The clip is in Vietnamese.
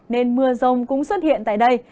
nên mưa rông cũng xuất hiện tại đây